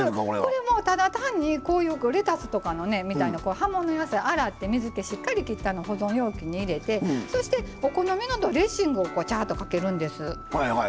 これもうただ単にこういうレタスとかのね葉物野菜洗って水けしっかりきって保存容器に入れてそしてお好みのドレッシングをチャーッとかけるんです。